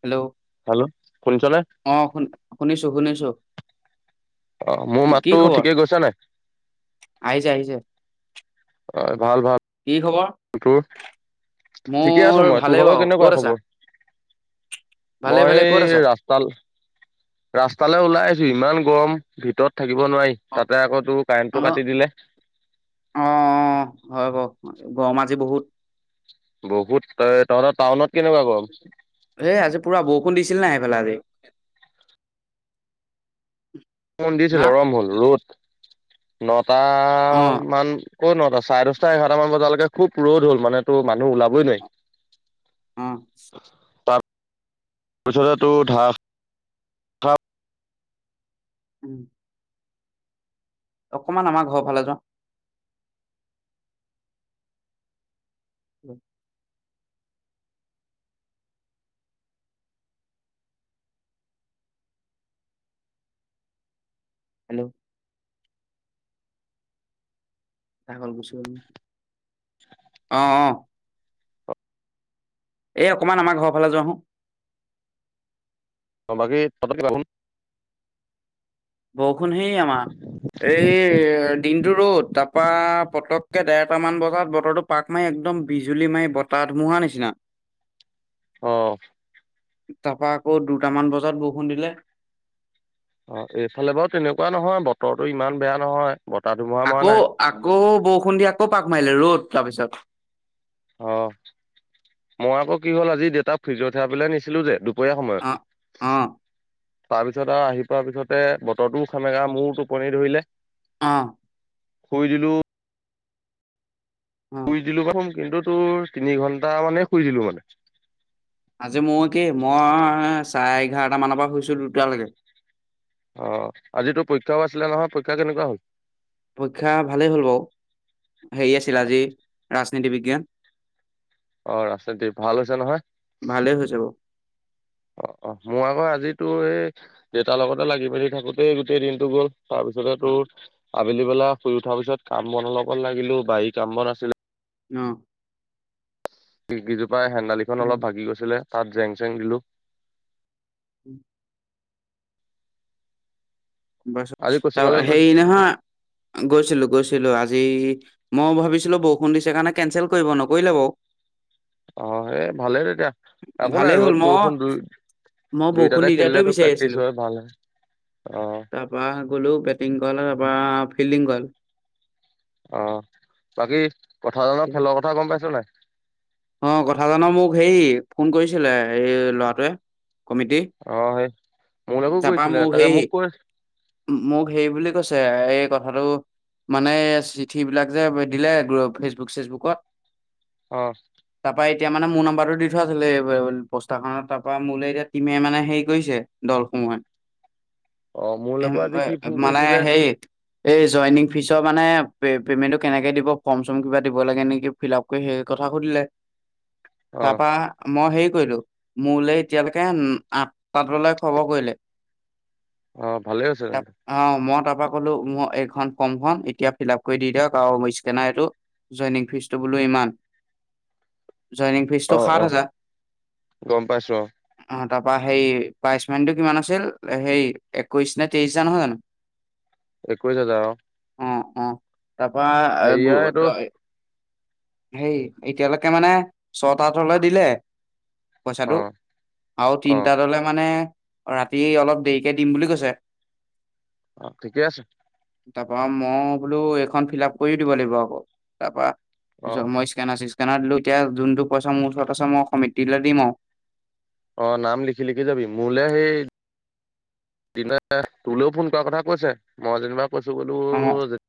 Hello hello শুনিছনে? অ' শু শুনিছো শুনিছো। অ' মোৰ কি কি মাতটো খবৰ ঠিকেই গৈছ নে। আহিছে আহিছে হয় ভাল ভাল। কি খবৰ তোৰ ঠিকে আছ মোৰ মই তোৰ ভালেই ভাগৰ বাৰু কেনেকুৱা ক'ত আছা খবৰ। ভালে মই ভালে ক'ত আছা ৰাস্তালে ৰাস্তালে ওলাই আহি ছো ইমান গৰম ভিতৰত থাকিব নোৱাৰি অ তাতে আকৌ তোৰ কাৰেণ্টটো কাটি দিলে। অ অ হয় বাৰু গৰম আজি বহুত। বহুত এ তহঁতৰ টাউনত কেনেকোৱা গৰম। এই আজি পুৰা বৰষুণ দিছিল নাই সেইফালে আজি বৰষুণ দিছিল হা আৰম হ'ল ৰ'দ নথ। নটা অ মান কত নটা চাৰে দশটা এঘাৰটা মান বজালৈকে খুব ৰ'দ হ'ল মানে তো মানুহ ওলাবই অ নোৱাৰি তা ৰপিছতেতো ধাৰাষাৰ উম। অকমান আমাৰ ঘৰৰ ফালে যোৱা উম। হেল্ল'। পাগল গুছি গ'ল। অ অ। এ অকমান আমাৰ ঘৰৰ ফালে যোৱা হো। বাকী থকাকে যাব নোৱাৰো বৰষুণ সেই আমাৰ এই। দিনটো ৰ'দ তাৰপা পতককে দেৰটামান বজাত বতৰটো পাক মাৰি একদম বিজুলী মাৰি বতাহ। ধুমুহা নিচিনা অ তাৰ পাছত আকৌ দুটামান বজাত বৰষুণ দিলে। অঁ এইফালে বাৰু তেনেকুৱা নহয়, বতৰতো ইমান বেয়া নহয়। বতাহ ধুমুহা মৰা আকৌ, নাই। আকৌ বৰষুণ দি আকৌ পাক মাৰিলে ৰ'দ তাৰপিছত। অ' মই আকৌ কি হ'ল আজি দেউতাক ফ্ৰিজৰ থেৰা পিলে নিছিলো যে, দূপৰীয়া অ সময়ত। অ তাৰপিছত আৰু আহি পোৱাৰ পিছতে বতৰতোও সেমেকা মোৰ টোপনি ধৰিলে। অঁ! কৈ দিলো। অ শুই দিলো প্ৰথম কিন্তু তোৰ তিনি ঘন্টা মানে শুই দিলো মানে। আজি মই কি মই চাৰে এঘাৰটা মানৰ পৰা শুইছো দুটালৈকে। অ আজিতো পৰীক্ষাও আছিলে নহয়, পৰীক্ষা কেনেকুৱা হল? পৰীক্ষা ভালেই হ'ল বাও হেৰি আছিল আজি ৰাজনীতি বিজ্ঞান। অ ৰাস্তাটি ভাল হৈছে নহয়। ভালেই হৈছে বাৰু অ অ মোৰ আকৌ আজি তু - এই দেউতাৰ লগতে লাগি মেলি থাকোতেই গোটেই দিনতটো গ'ল তাৰপিছতে তোৰ- আবেলি বেলা শুই উঠাৰ পিছত কাম বন অলপমান লাগিলো, বাৰীত কাম বন আছিল। অ। কেইজোপাই হেন্দালিখন অলপ উম, ভাগি গৈছিলে তাত জেং চেং দিলো। [inaudible] বছ আজি ত কোচিঙলৈ সেই গৈছোঁ নহয় গৈছিলো গৈছিলো আজি মইও ভাবিছ- ছিলো বৰষুণ দিছে কাৰণে কেঞ্চেল কৰিব নকৰিলে বাও। অ সে ভালে তেতিয়া, একো ভালেই নাই হ'ল ৰ'দ মই বৰষুণ দু মই বৰষুণ দুইটাতে নিদিয়াটোৱে খেলিলেতো বিচাৰি প্ৰেক্টিচ আছিলো হয় ভাল হয় অ। তাৰ পৰা গ'লো বেটিং কৰালে তাৰ পৰা ফিল্ডিং কৰালে। অ বাকী কথালৰ খেলৰ কথা গম পাইছ নাই। অ কথা জানো মোক হেৰি ফোন কৰিছিলে এই ল'ৰাটোৱে। কমিটি অ সেই মোলৈকো তা পা কৰিছিলে মো তাকে সেই মোক কৈ মোক হে বুলি কৈছে এই কথাটো মানে চিঠিবিলাক যে দিলে ফেচবুক চেচবুকত। অ। তাৰপা এতিয়া মানে মোৰ নম্বাৰটো দি থোৱা আছিলে পষ্টাৰখনত তাৰ পৰা মোলৈ এতিয়া টিমে মানে হেৰি কৰিছে দলসমূহে। অ এম মোলৈকো আজি বা সি ফোন মানে কৰিছিলে সেই এই জইনিং ফিছৰ মানে পেমেণ্টো কেনেকে দিব ফৰ্ম চম কিবা দিব লাগে নেকি ফিল আপ কৰি সেই কথ- সুধিলে অ তাৰ পৰা মই সেই কৰিলো, মোলৈ এতিয়ালৈকে আঠ তাতলৈ খবৰ কৰিলে। অ ভালে হৈছে। অ মই ত তাৰপা কলো মই এইখন ফৰ্মখন এতিয়া ফিল আপ কৰি দি দিয়ক আৰু স্কেনাৰ এইটো। জইনিং ফিজটো বোলো ইমান। জইনিং ফিচটো অ সাত অ হাজাৰ। গম পাইছো অ তাৰপা সেই প্ৰাইজ মানিটো কিমান আছিল? সেই একৈশ নে তেইশ হাজাৰ নহয় জানোঁ একৈশ হাজাৰ অ। তাৰপা হেৰিয়া গো এইটো দয় সেই এতিয়ালৈকে মানে ছয়টা দলে দিলে। অ পইচাটো আৰু অ তিনটা দলে মানে ৰাতি অলপ দেৰিকে দিম বুলি কৈছে। অহ, ঠিকেই আছে। তা পা মই বোলো এইখন ফিল আপ কৰিও দিব লাগিব, আকৌ তাৰ পৰা অ মই স্কেনাৰ চিস্কেনা স্কেনাৰ দিলোঁ এতিয়া, যোনটো পইচা মোৰ ওচৰত আছে, মই কমিতিলৈ দিম আৰু। অ, নাম লিখি-লিখি যাবি। মোৰলে সেই তোলৈও ফোন কৰাৰ কথা কৈছে মই যেনিবা কৈছোঁ বোলো আৰু অ যে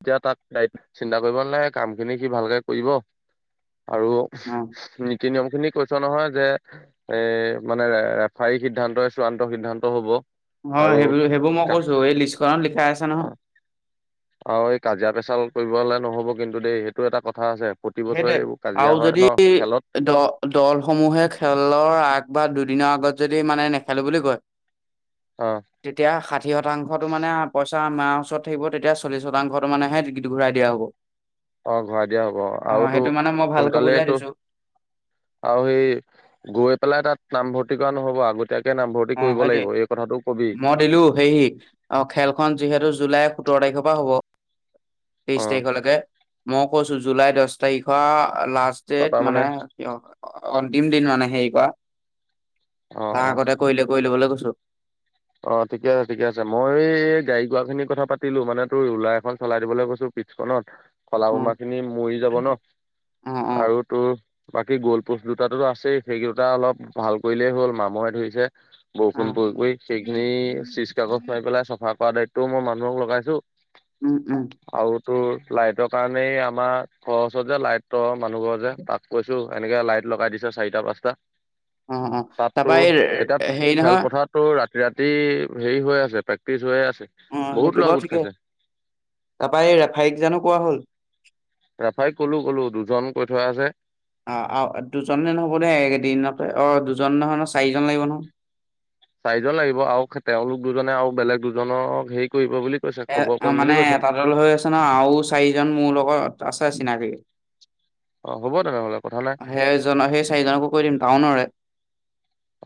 এতিয়া তাক গ চিন্তা কৰিব নালাগে কাম খিনি সি ভালকে কৰিব। আৰু অ নীতি, নিয়ম খিনি কৈছ নহয় যে এ মানে ৰেফাৰী সিদ্ধান্তই চূড়ান্ত সিদ্ধান্ত হ'ব। অ আৰু সেইবোৰ সেইবোৰ মই কৈছো এই লিষ্টখনত লিখাই আছে নহয়। আৰু এই কাজিয়া পেচাল কৰিব হলে নহব কিন্তু দেই সেইটো এটা কথা আছে। প্ৰতি বছৰে সেইটোৱে এইবোৰ কাজিয়া আৰু হয় ন যদি খেলত দ দলসমূহে খেলৰ আগ বা দুদিনৰ আগত যদি মানে নেখেলো বুলি কয়। অ তেতিয়া ষাঠি শতাংশটো মানে পইচা আমাৰ ওচৰত থাকিব তেতিয়া চল্লিশ শতাংশ টো মানহে ঘূৰাই দিয়া হব। অ ঘূৰাই দিয়া হ'ব অ। আৰুতো সেইটো মানে মই ভালকে সোনকালেই বুজাই তো দিছো আৰু এই গৈ পেলাই তাত। নামভৰ্তি কৰা নহব আগতে অ হয় দে মই দিলো হেই অ খেলখন যিহেতু জুলাই সোতৰ তাৰিখৰ পৰা হ'ব অ তেইশ তাৰিখলৈকে মই কৈছো জুলাই দহ তাৰিখৰ লাষ্ট ডেট মানে ক অন্তিম দিন মানে হেই কোৱা অ অ কৰিলে কৰি লবলৈ কৈছো অ ঠিকে আছে ঠিকে আছে মই এই গাড়ী ঘোৰা খিনিৰ কথা পাতিলো মানে তোৰ ৰুলাৰ এখন চলাই দিবলৈ কৈছো পিঠখনত খলা বমা অ' খিনি মৰি যাব ন অ' অ' আৰু তোৰ বাকী গোলপোচ দুটাতো আছেই সেইকেইটা অলপ ভাল কৰিলেই হ'ল মামহে ধৰিছে। বৰষুণ অ' পৰি পৰি। সেইখিনি চিজ কাগজ মাৰি পেলাই চাফা কৰা দায়িত্বও মই মানুহক লগাইছো। উম উম আৰু তোৰ লাইটৰ কাৰণেই আমাৰ ঘৰ ওচত যে লাইট ত মানুহ ঘৰ যে তাক কৈছো। এনেকে লাইট লগাই দিছে চাৰিটা পাঁচটা। অ' অ' তাতো তাৰপা এই এতিয়া হেৰি নহয় খেলপথাৰতটো ৰাতি ৰাতি হেৰি হৈ আছে প্ৰেক্টিচ হৈ আছে। অ বহুত সেইটো ল'ৰা বাৰু গোট ঠিকেই খাইছে তাৰাপা এই ৰেফাৰীক জানো কোৱা হ'ল। ৰেফাৰীক কলো কলো দুজন কৈ থোৱা আছে। আ -আ দুজনে নহব দে একেইদিনতে অহ দুজনে নহয় ন'। চাৰিজন লাগিব নহয়। চাৰিজন লাগিব আৰু তেওঁলোক দুজনে আৰু বেলেগ দুজনক হেৰি কৰিব বুলি কৈছে এ খবৰ কৰিম 'মানে বুলি কৈছে। এটা দল হৈ আছে ন' আও চাৰিজন মোৰ লগত আছে। চিনাকি অ হ'ব তেনেহ'লে কথা নাই সেইজনক সেই চাৰিজনকো কৈ দিম টাউনৰে।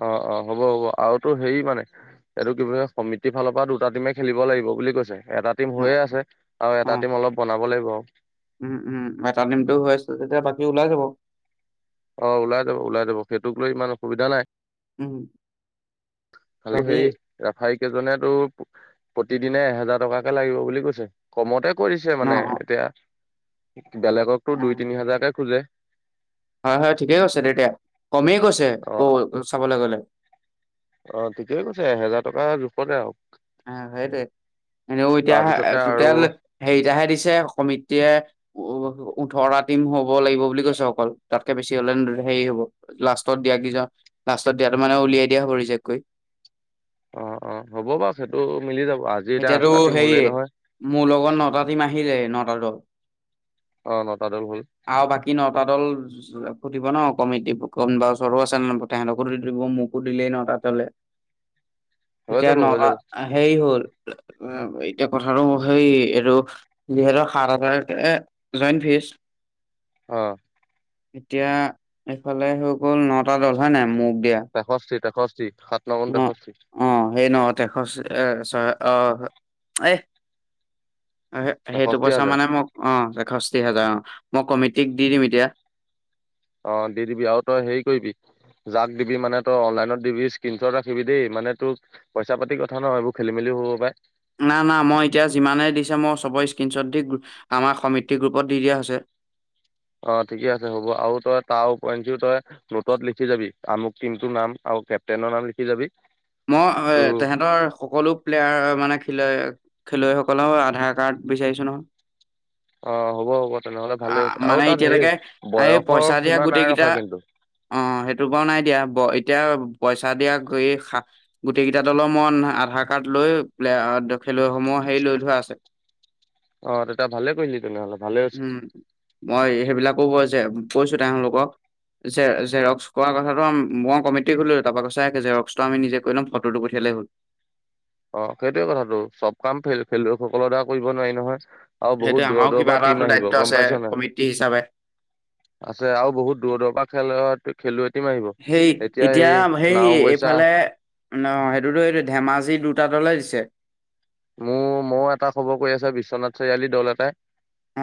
অহ -অহ, হ'ব- হ'ব আৰু তোৰ হেৰি মানে এইটো কি সমিতিৰ ফালৰ পৰা দুটা টিমে খেলিব লাগিব বুলি কৈছে এটা টিম অ', হৈয়ে আছে আৰু এটা অ', টিম অলপ বনাব লাগিব আৰু। উম -উম এটা টিমটো হৈ আছ তেতিয়া বাকী ওলাই যাব। অহ, ওলাই যাব -ওলাই যাব সেইটোক লৈ ইমান অসুবিধা নাই। [inaudible] উম, খালি বাকী সেই ৰেফাৰী কেইজনেতো প্ৰতিদিনে এহেজাৰ- টকাকে লাগিব বুলি কৈছে কমতে কৰিছে অ', মানে অ', এতিয়া বেলেগকতো দুই উম, তিনি হাজাৰকে খোজে। হয়- হয় ঠিকে কৈছে তেতিয়া কমেই কৈছে ক' চাবলৈ গলে। অহ, ঠিকেই কৈছে এহেজাৰ টকা জোখতে আৰু। অহ, সেইটোৱে। এনেও এতিয়া তাৰপিছতে আৰু টোটেল হেৰিতাহে দিছে সমিতিয়ে উ ওঠৰাটা টিম হ'ব লাগিব বুলি কৈছে অকল, তাতকে বেছি হলে হেৰি হব লাষ্টত দিয়া কিজন লাষ্টত দিয়াতো মানে উলিয়াই দিয়া হ'ব ৰিজেক্ট কৰি। অহ - অহ হ'ব বাচ সেইটো মিলি যাব। আজি এতিয়া এতিয়াতো আঠটা টিম হ'লেই হেয়ে নহয় মোৰ লগত নটা টিম আহিলে নটা দল অ', নটা দল হ'ল। [inaudible] আৰু বাকী নটা দল সুধিব ন' কমিটি কোনোবা ওচৰো আছে ন' নপঠাই তেহেণ্টকো দি দিব মোকো দিলেই ন'তাত হলে হৈ এতিয়া যাব হৈ নটা যাব সেই হ'ল এতিয়া কথাটো সেই এটো দুহেজাৰ সাত হাজাৰকে জইণ্ট ফিজ [inaudible] অহ এতিয়া এইফালে হৈ গ'ল নটা দল হয় নাই মো দিয়া তেষষ্ঠি তেষষ্ঠি সাত নগুণ অহ তেষষ্ঠি - অহ সেই নহ তেশচ এ ছয় অহ, এহ। সেইটো তেষষ্ঠি পইচা হাজাৰ। মানে মোক অহ এষষ্ঠি হাজাৰ অহ। মই কমিটিক দি -দিম এতিয়া। অহ, দি -দিবি আও তই হেৰি কৰিবি যাক দিবি মানে তই অনলাইনত দিবি স্ক্ৰীনশ্বট ৰাখিবি দেই মানে তোক পইচা -পাতি কথা নহ এইবোৰ খেলি - মেলি হ'ব পাই। না -না মই এতিয়া যিমানে দিছে মই চবৰে স্কনশ্বট দি আমাৰ সমিতি গ্ৰুপত দি দিয়া হৈছে। [inaudible] অহ, ঠিকে আছে হ'ব আৰু তই তাও ওপৰদিও তই নোটত লিখি যাবি আমুক টিমটোৰ নাম কেপ্টনৰ নাম লিখি জাবি মই এ' তেহন্তৰ সকলো প্লেয়াৰ মানে খি খেলুৱৈসকলৰও আধাৰ কাৰ্ড বিচাৰিছো নহয়। অ হ'ব হ'ব তেনেহ'লে ভালেই হৈছে [inaudible] আৰু মানে তাত হেৰি এতিয়ালৈকে এই বয়সৰ পইচা দিয়া সীমা নাই গোটেই কেইটা ৰখা কিন্তু অহ, সেইটো বাওঁ নাই দিয়া এতিয়া পইচা দিয়া গৈয়ে গোটেই কেইটা দলৰ মই আধাৰ কাৰ্ড লৈ প্লে খেলুৱৈসমূহ হেৰি লৈ থোৱা আছে। অ তেতিয়া ভালে কৰিলি তেনেহ'লে ভালে [inaudible] হৈছে উম, মই সেইবিলাক ক'ব যে কৈছো তেওঁলোকক যে অ জেৰক্স কৰা কথাটো মই কমিটি খুলোঁয়ে তাৰপা কৈছে যেৰক্সটো আমি নিজে কৰি লম ফটটো পঠিয়ালেই হ'ল। অহ, সেইটোয়ে কথাটো চব কাম খেলু- খেলুৱৈসকলৰ দ্বাৰা কৰিব নোৱাৰি নহয়। আৰু বহুত সেইটোৱে দূৰৰ আমাৰো - দূৰৰ কিবা পৰা টিম এটাটো আহিব দায়িত্ব গম আছে পাইছ নাই? কমিটি হিচাপে আছে আৰু বহুত দূৰৰ -দূৰৰ পৰা খেলত খেলুৱৈ টীম আহিব সেই এতিয়া হেই সেই নাও বৈছ এইফালে সেইটোতো এইটো ধেমাজি দুটা দলে দিছে মোৰ মই এটা খবৰ কৈ আছো বিশ্বনাথ চাৰিআলি দল এটাই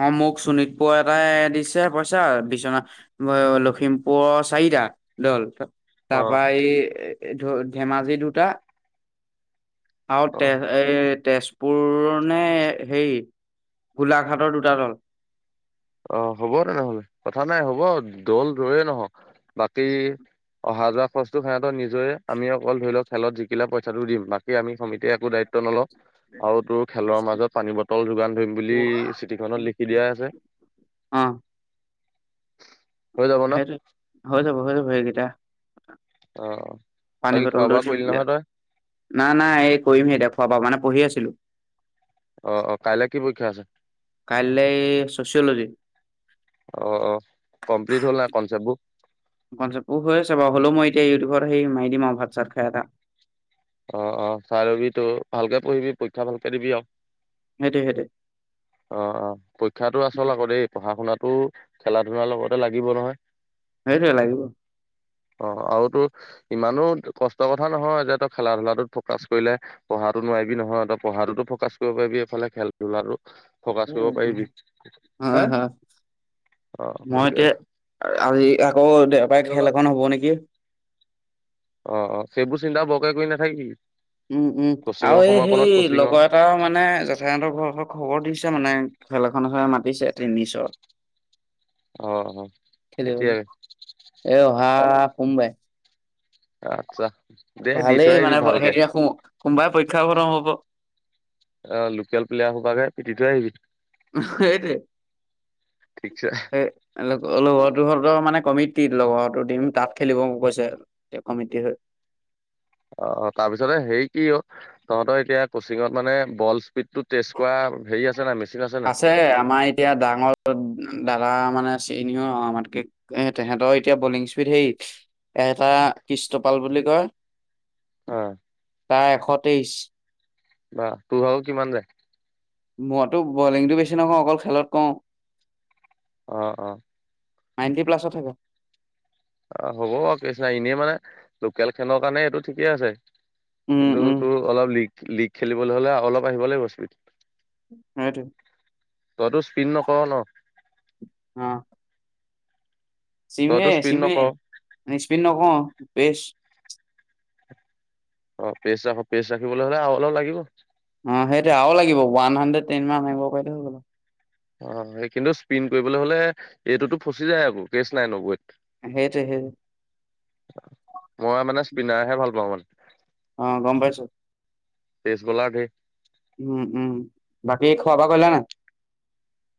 অ মোক চোণিতপুৰ এটাই দিছে পইচা বিচনা লখিমপুৰৰ চাৰি টা দল তাৰ অ পৰা এই ধ ধেমাজি দুটা আৰু অ তেজ এ তেজপুৰ নে হেৰি গোলাঘাটৰ দু দুটা দল অ হ'ব তেনেহ'লে কথা নাই হ'ব দল জয়ে নহক বাকী অহা যোৱা খৰচটো সহ নিজৰে আমি অকল ধৰি লওক খেলত জিকিলা পইচাটো দিম বাকী আমি সমিতিয়ে একো দায়িত্ব নলওঁ আৰু তোৰ খেলৰ মাজত পানী বটল যোগান ধৰিম বুলি চিঠিখনত লিখি দিয়া আছে অ হৈ যাব ন সেইটো হৈ যাব হৈ যাব সেইকেইটা অ অ পানী বাকী খোৱা বটলটো বোৱা দি কৰিলি দিয়া নহয় তই নাই নাই এই কৰিম সেই এতিয়া খোৱা বোৱা মানে পঢ়ি আছিলো অ অ কাইলে কি পৰীক্ষা আছে কাইলৈ চচঅলজি অ অ কমপ্লিট হ'ল নাই কনচেপ্টবোৰ কনচেপ হৈ আছে বাৰু হ'লেও মই এতিয়া ইউটিউবত আৰু সেই মাৰি দিমআও ভাত চাত খাই এটা অ অ চাই লবি তো ভালকে পঢ়িবি পৰীক্ষা ভালকে দিবি আৰু সেইটোৱে সেইটোৱে অ অ পৰীক্ষাতটো আচল আকৌ দেই পঢ়া শুনাত টো খেলা ধূলাৰ লগতে লাগিব নহয় সেইটোৱে লাগিব অ আৰুতো ইমানো কষ্টৰ কথা নহয় যে তই খেলা ধূলা ফকাচ কৰিলে পঢ়াতো নোৱাৰিবি নহয় ত পঢ়া তো ফকাচ কৰিব পাৰিবি এইফালে খেলা ধূলাতো উম হয় হয় অ মই গতিকে এতিয়া আজি আকৌ দেওবাই খেল এখন হ'ব নেকি অ অ সেইবোৰ চিন্তা বৰকে কৈ নাথাকিবি উম উম আৰু কচিঙৰ এই সেই সময়কণত কচিঙৰ অ লগৰ এটা মানে জেথাই হতৰ ঘৰ খৰ খবৰ দিছে মানে মানুহজনে মাতিছে টিনিচৰ অ খেলিবলৈ এতিয়াই এ অহা সোমবাৰে আচ্ছা দে দি থৈ ভালেই আহিবি মানে ভালকে সেইতিয়া সোমবাই পৰীক্ষা হ'ব, নহ'ব অ লোকেল প্লেয়াৰ হোবাকে পিটিথৈ আহিবি সেইটো ঠিকছে এ লগৰটোহঁতৰ মানে কমিটিত লগৰো টিম তাত খেলিব কৈছে কমিটি হৈ [unintelligible] অ অ তাৰপিছতে হেৰি কি অ তহঁতৰ এতিয়া কচিঙত মানে বল স্পীডতটো টেষ্ট কৰা হেৰি আছে নাই মেচিন নাই আছে আমাৰ এতিয়া ডাঙৰ দাদা মানে চিনিয়ৰ আমকে এ তেহেতৰ এতিয়া বলিং স্পিড হে এ এটা কৃষ্টপাল বুলি কি কয় অ তাৰ এশ তেইছ বা তোৰ ভাগ কিমান যায় মইতো বলিংটো বেছি নকওঁ অকল খেলত কওঁ অ অ নাইণ্টি প্লাছোত থাকে অ হ'ব আৰু কিচিনা এনেই মানে লোকেল খেলৰ কাৰণে এইটো ঠিকেই আছে উম কিন্তু উম তোৰ অলপ লীগ লীগ খেলিবলৈ হলে অলপ আহিব লাগিব স্পিড সেইটোৱেই তইতো স্পিন নকৰ ন অ চিমে তইতো স্পীড চিমে নকৰ ইস্পিন ন কওঁ বেছ অ পেচ ৰা পেছ ৰাখিবলৈ হলে আৰু অলপ লাগিব অ সেইটোয়ে আৰু লাগিবওৱান হাণ্ড্ৰেড টেন ম মিব কৰিলে হৈ গল অ সেই কিন্তু স্পিন কৰিবলৈ হলে এইটোতো ফচি যায় আকৌ কেচ নাই নগৈ সেইটো সেই পিনাইহে ভাল পাওঁ মানে অ গম পাইছো পিছবেলা গৈ উম উম বাকী খোৱা বোৱা কৰি লা নাই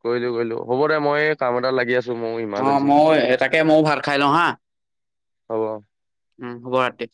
কৰিলো কৰিলো হ'ব দে মই কাম এটা লাগি আছো মোৰ অ ইমাৰ্জেঞ্চি ময়ও এটাকে ময়ও ভাত খাই লওঁ হা হ'ব অ উম সুভ ৰাতি